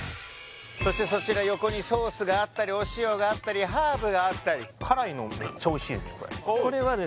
そしてそちら横にソースがあったりお塩があったりハーブがあったりこれはですね